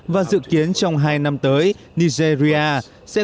và dự kiến trong hai năm tới nigeria sẽ không phát triển các loại cây nông nghiệp